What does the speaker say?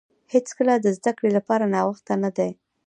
هیڅکله د زده کړې لپاره ناوخته نه دی.